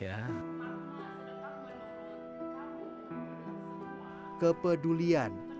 kepedulian yang dibarengi dengan keuntungan yang berbeda